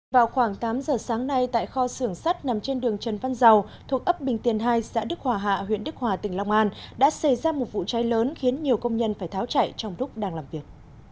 vào khoảng tám giờ sáng nay tại kho xưởng sắt nằm trên đường trần văn dầu thuộc ấp bình tiền hai xã đức hòa hạ huyện đức hòa tỉnh long an đã xảy ra một vụ cháy lớn khiến nhiều công nhân phải tháo chảy trong lúc đang làm việc